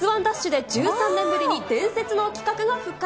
で１３年ぶりに伝説の企画が復活。